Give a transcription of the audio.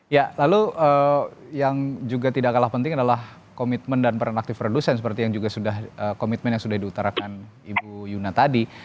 ya lalu yang juga tidak kalah penting adalah komitmen dan peran aktif produsen seperti yang juga sudah komitmen yang sudah diutarakan ibu yuna tadi